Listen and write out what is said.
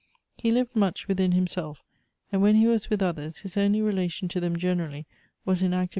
He lived much within himself, and when he was with others, his only relation to them generally was in active